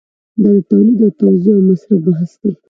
دا د تولید او توزیع او مصرف بحث دی.